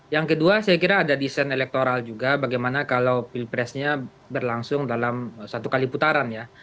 yang kedua saya kira ada desain elektoral juga bagaimana kalau pilpresnya berlangsung dalam satu kali putaran ya